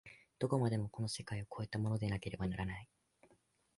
どこまでもこの世界を越えたものでなければならない。